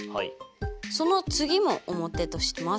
その次も表とします。